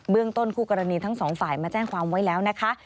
ต้นคู่กรณีทั้งสองฝ่ายมาแจ้งความไว้แล้วนะคะ